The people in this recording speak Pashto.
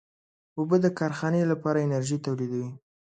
اوبه د کارخانې لپاره انرژي تولیدوي.